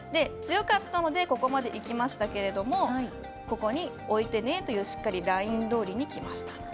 強かったのでいきましたけれどもここに置いてねというラインどおりにきました。